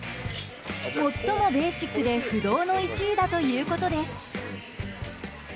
最もベーシックで不動の１位だということです。